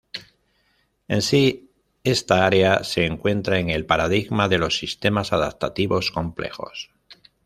En sí, esta área se encuentra en el paradigma de los sistemas adaptativos complejos.